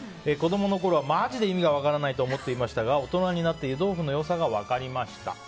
子供のころは、マジで意味が分からないと思っていましたが大人になって湯豆腐の良さが分かりました。